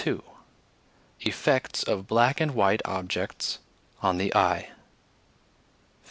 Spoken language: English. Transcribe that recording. II. EFFECTS OF BLACK AND WHITE OBJECTS ON THE EYE. 15.